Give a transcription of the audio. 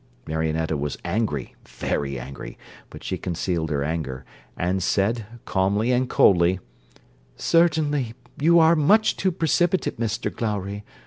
Marionetta was angry, very angry, but she concealed her anger, and said, calmly and coldly, 'Certainly, you are much too precipitate, Mr Glowry.